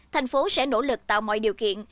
thành phố sẽ nỗ lực tạo mọi điều kiện